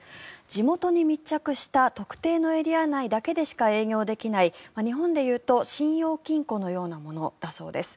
地元に密着した特定のエリア内だけでしか営業できない、日本でいうと信用金庫のようなものだそうです。